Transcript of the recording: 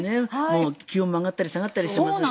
気温も上がったり下がったりしてますからね。